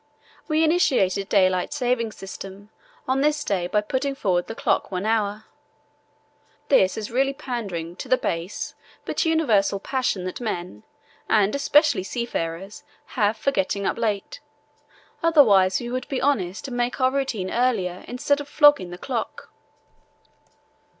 We initiated a daylight saving system on this day by putting forward the clock one hour. "This is really pandering to the base but universal passion that men, and especially seafarers, have for getting up late, otherwise we would be honest and make our routine earlier instead of flogging the clock."